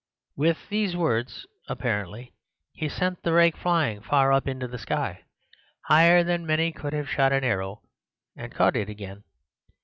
With these words, apparently, he sent the rake flying far up into the sky, higher than many could have shot an arrow, and caught it again.